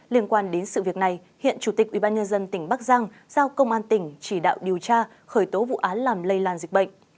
liên quan đến sự việc này hiện chủ tịch ubnd tỉnh bắc giang giao công an tỉnh chỉ đạo điều tra khởi tố vụ án làm lây lan dịch bệnh